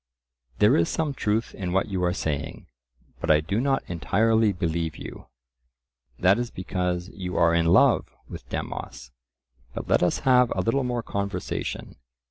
"There is some truth in what you are saying, but I do not entirely believe you." That is because you are in love with Demos. But let us have a little more conversation.